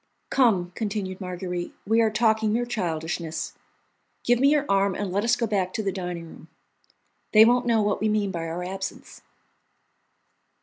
"Come," continued Marguerite, "we are talking mere childishness. Give me your arm and let us go back to the dining room. They won't know what we mean by our absence."